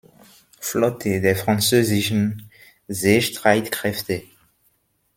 Flotte der französischen Seestreitkräfte.